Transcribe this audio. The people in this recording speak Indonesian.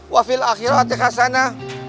wa fil akhiratik hasanah